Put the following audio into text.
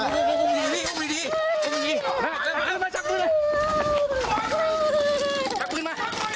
เลวงแม่เห็นมะ